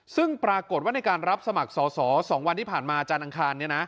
ซึ่งปรากฏว่าในการรับสมัครสอสอ๒วันที่ผ่านมาจานอังคาร